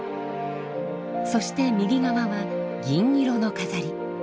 そして右側は銀色の飾り。